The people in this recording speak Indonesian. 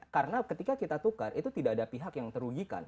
karena ketika kita tukar itu tidak ada pihak yang dirugikan